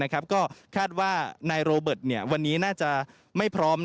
ก็คาดว่านายโรเบิร์ตวันนี้น่าจะไม่พร้อม